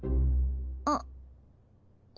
あっ。